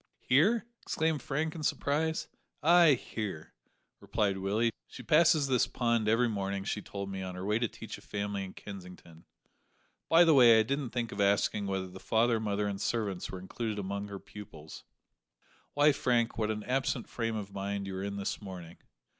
"Here!" exclaimed Frank in surprise. "Ay, here," repeated Willie; "she passes this pond every morning, she told me, on her way to teach a family in Kensington; by the way, I didn't think of asking whether the father, mother, and servants were included among her pupils. Why, Frank, what an absent frame of mind you are in this morning!